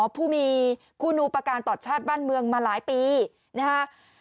ผู้มีคู่นูประการต่อชาติบ้านเมืองมาหลายปีนะฮะ